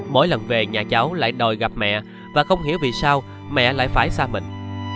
mỗi lần về nhà cháu lại đòi gặp mẹ và không hiểu vì sao mẹ lại phải xa mình